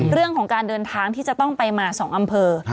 เรื่องของการเดินทางที่จะต้องไปมา๒อำเภอ